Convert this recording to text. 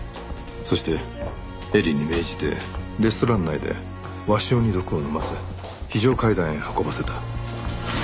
そして絵里に命じてレストラン内で鷲尾に毒を飲ませ非常階段へ運ばせた。